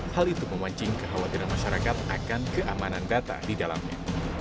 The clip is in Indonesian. hal itu memancing kekhawatiran masyarakat akan keamanan data di dalamnya